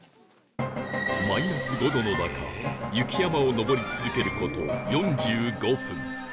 マイナス５度の中雪山を登り続ける事４５分